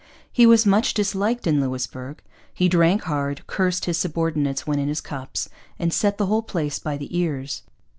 He was much disliked in Louisbourg. He drank hard, cursed his subordinates when in his cups, and set the whole place by the ears.